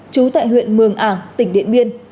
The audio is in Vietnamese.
chú tại huyện mường ảng tỉnh điện biên